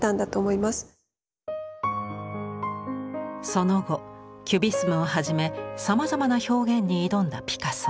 その後キュビスムをはじめさまざまな表現に挑んだピカソ。